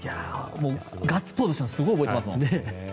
ガッツポーズしたのすごい覚えてますもん。